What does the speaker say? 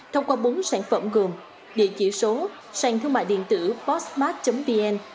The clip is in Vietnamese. thông qua bốn sản phẩm gồm địa chỉ số sàn thương mại điện tử postmart vn